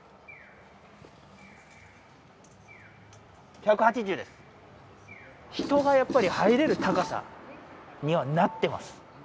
１８０です人がやっぱり入れる高さにはなってます